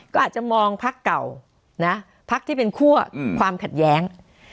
ก็อาจจะมองพักเก่านะพักที่เป็นคั่วความขัดแย้ง